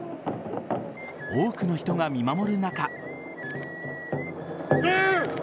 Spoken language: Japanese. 多くの人が見守る中。